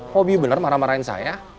hobi bener marah marahin saya